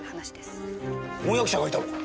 婚約者がいたのか？